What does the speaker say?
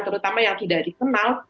terutama yang tidak dikenal